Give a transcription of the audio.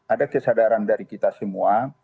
ada kesadaran dari kita semua